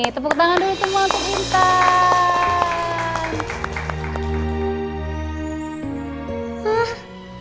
tepuk tangan dulu semua untuk minta